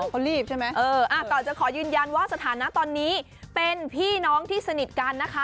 อยากดูหนังแล้วมั้ยเออตอนนี้จะขอยืนยันว่าสถานะตอนนี้เป็นพี่น้องที่สนิทกันนะคะ